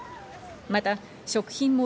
また食品も